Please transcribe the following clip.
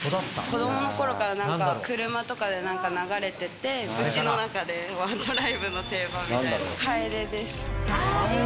子どものころから、なんか車とかでなんか流れてて、うちの中ではドライブの定番みたいな。